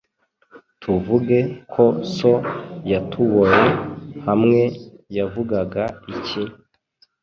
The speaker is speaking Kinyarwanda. Tuvuge ko so yatuboe hamwe, yavuga iki?